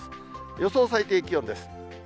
予想最低気温です。